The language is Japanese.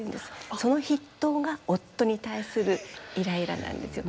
その筆頭が夫に対するイライラなんですよ。